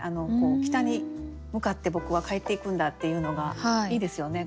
北に向かって僕は帰っていくんだっていうのがいいですよね